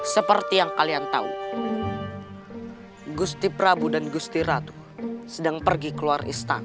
seperti yang kalian tahu gusti prabu dan gusti ratu sedang pergi keluar istana